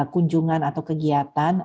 kunjungan atau kegiatan